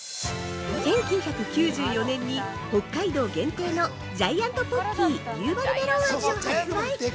◆１９９４年に北海道限定のジャイアントポッキー夕張メロン味を発売。